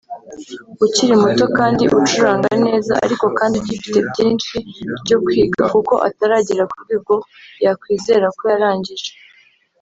ukiri muto kandi ucuranga neza ariko kandi ugifite byinshi byo kwiga kuko ataragera ku rwego yakwizera ko yarangije